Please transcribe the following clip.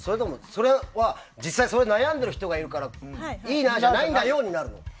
それは実際に悩んでいる人がいるからいいなじゃないんだよになるんですか？